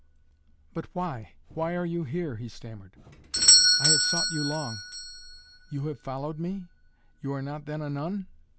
"But why why are you here?" he stammered. "I have sought you long." "You have followed me? You are not then a nun?"